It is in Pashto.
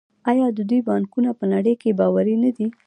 آیا د دوی بانکونه په نړۍ کې باوري نه دي؟